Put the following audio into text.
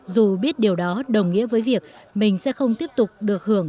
dù biết điều đó đồng nghĩa với việc mình sẽ không tiếp tục được hưởng